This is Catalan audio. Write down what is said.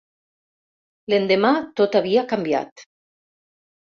L'endemà tot havia canviat.